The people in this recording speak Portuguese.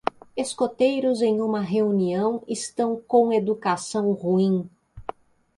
Escoteiros em uma reunião estão com educação ruim.